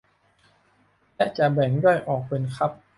และจะแบ่งย่อยออกเป็นคัพ